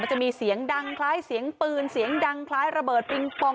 จะมีเสียงดังคล้ายเสียงปืนเสียงดังคล้ายระเบิดปิงปอง